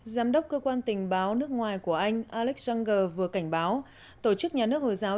giám đốc cơ quan tình báo nước ngoài của anh alexenger vừa cảnh báo tổ chức nhà nước hồi giáo